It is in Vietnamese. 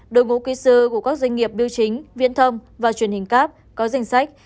đội ngũ kỹ sư của các doanh nghiệp biêu chính viên thông và truyền hình cap có danh sách